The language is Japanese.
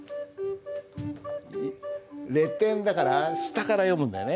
レ点だから下から読むんだよね。